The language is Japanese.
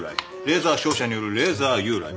レーザー照射によるレーザー誘雷。